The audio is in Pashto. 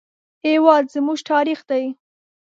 هېواد زموږ تاریخ دی